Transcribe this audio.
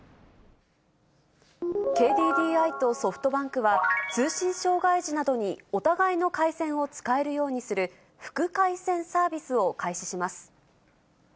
ＫＤＤＩとソフトバンクは、通信障害時などにお互いの回線を使えるようにする、副回線サービスを開始します。